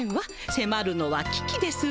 せまるのはききですわ。